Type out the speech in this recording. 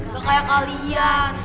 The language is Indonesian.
gak kayak kalian